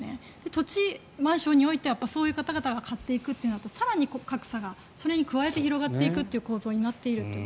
土地、マンションにおいてはそういう方々が買っていくとなると更に格差がそれに加えて広がっていくという構造になっていると。